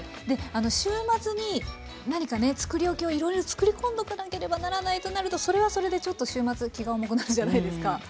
で週末に何かね作り置きをいろいろ作り込んどかなければならないとなるとそれはそれでちょっと週末気が重くなるじゃないですか。